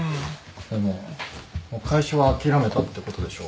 でも会社は諦めたってことでしょ？